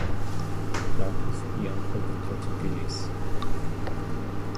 Clark is the uncle of Colton Gillies.